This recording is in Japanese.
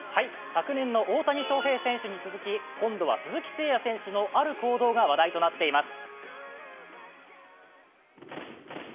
昨年の大谷翔平選手に続き、今度は鈴木誠也選手のある行動が話題となっています。